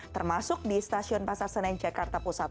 termasuk di stasiun pasar senen jakarta pusat